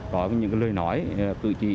có những lời nói tự trị